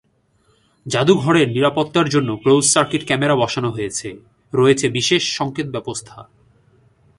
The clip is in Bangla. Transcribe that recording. জাদুঘরের নিরাপত্তার জন্য ক্লোজ সার্কিট ক্যামেরা বসানো হয়েছে, রয়েছে বিশেষ সংকেত ব্যবস্থা।